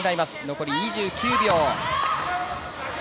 残り２９秒。